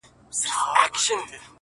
پر موږ همېش یاره صرف دا رحم جهان کړی دی;